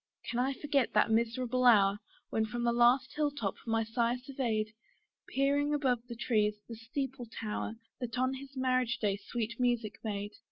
Can I forget that miserable hour, When from the last hill top, my sire surveyed, Peering above the trees, the steeple tower, That on his marriage day sweet music made?